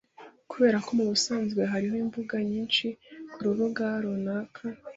Kubera ko mubusanzwe hariho imbuga nyinshi kurubuga runaka,